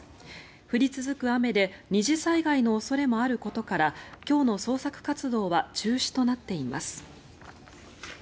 降り続く雨で二次災害の恐れもあることから今日の捜索活動は中止となっています。